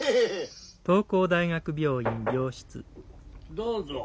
どうぞ。